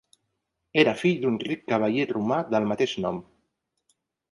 Era fill d'un ric cavaller romà del mateix nom.